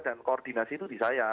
dan koordinasi itu di saya